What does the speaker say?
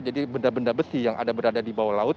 jadi benda benda besi yang ada berada di bawah laut